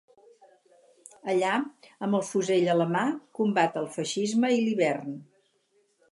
Allà, amb el fusell a la mà, combat el feixisme i l’hivern.